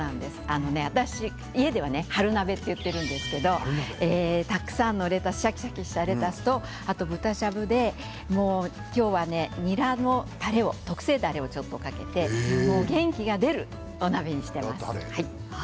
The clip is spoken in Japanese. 私家では春鍋といっているんですけどたくさんのレタスシャキシャキしたレタスとあと、豚しゃぶで今日はニラのたれを特製だれをちょっとかけて元気が出るお鍋にしています。